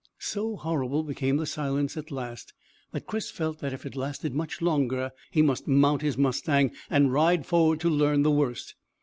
So horrible became the silence at last that Chris felt that if it lasted much longer he must mount his mustang and ride forward to learn the worst.